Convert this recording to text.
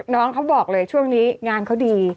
น้องเขาบอกเลยช่วงนี้งานเขาดี